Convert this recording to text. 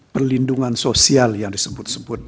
perlindungan sosial yang disebut sebut